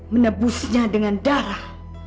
menebusnya dengan darah